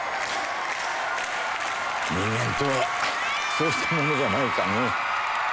人間とはそうしたものじゃないかねぇ？